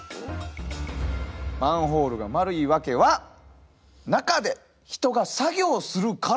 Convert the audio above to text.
マンホールが丸いワケは中で人が作業をするから。